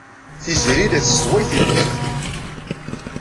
Tiziri la tessway tibḥirt.